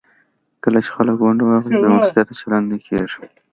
کله چې خلک ونډه واخلي، بې مسوولیته چلند نه کېږي.